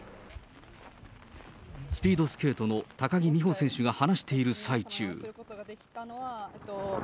スピードスケートの高木美帆選手が話している最中。